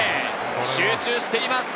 集中しています。